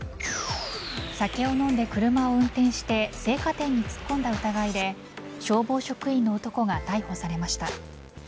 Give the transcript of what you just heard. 酒を飲んで車を運転して青果店に突っ込んだ疑いで消防職員の男が逮捕されました。